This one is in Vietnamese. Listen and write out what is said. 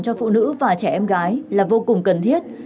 cho phụ nữ và trẻ em gái là vô cùng cần thiết